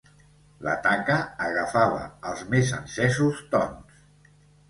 La taca agafava els més encesos tons